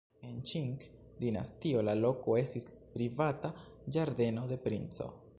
En Ĉing-dinastio la loko estis privata ĝardeno de princo.